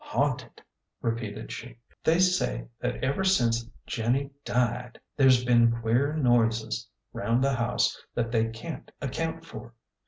" Haunted!" repeated she. " They say that ever since Jenny died there's been queer nois.es 'round the house that they can't account for.